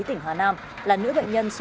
tỉnh hà nam là nữ bệnh nhân số sáu